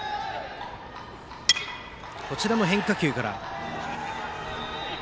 こちらも変化球から。